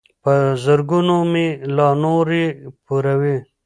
په زرګونو مي لا نور یې پوروړی